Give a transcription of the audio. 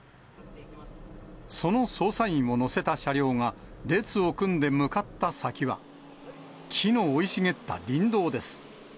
その捜査員を乗せた車両が、列を組んで向かった先は、木の生い茂った林道です。